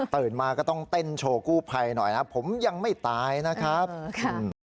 มาก็ต้องเต้นโชว์กู้ภัยหน่อยนะผมยังไม่ตายนะครับค่ะ